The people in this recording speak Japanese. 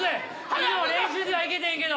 昨日練習ではいけてんけど。